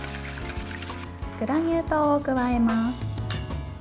グラニュー糖を加えます。